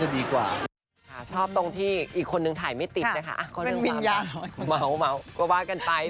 น่าจะดีกว่า